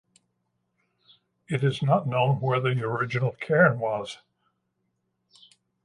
It is not known where the original cairn was.